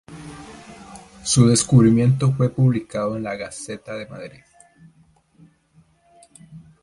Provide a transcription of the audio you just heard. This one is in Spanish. Su descubrimiento fue publicado en la Gazeta de Madrid.